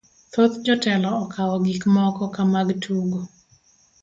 Thoth jotelo okawo gik moko ka mag tugo